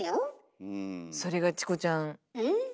それがチコちゃん。